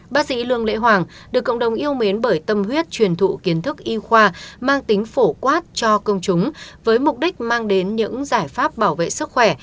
bác sĩ lương lễ hoàng được cộng đồng yêu mến bởi tâm huyết truyền thụ kiến thức y khoa mang tính phổ quát cho công chúng với mục đích mang đến những giải pháp bảo vệ sức khỏe